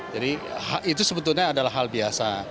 jadi itu sebetulnya adalah hal biasa